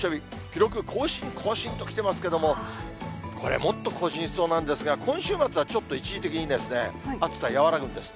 記録更新、更新ときてますけども、これ、もっと更新しそうなんですが、今週末はちょっと一時的に、暑さ和らぐんです。